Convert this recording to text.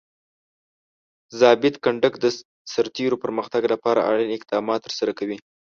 ضابط کنډک د سرتیرو پرمختګ لپاره اړین اقدامات ترسره کوي.